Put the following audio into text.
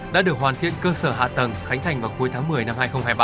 đã được hoàn thiện cơ sở hạ tầng khánh thành vào cuối tháng một mươi năm hai nghìn hai mươi ba